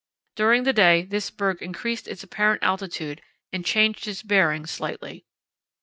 During the day this berg increased its apparent altitude and changed its bearing slightly.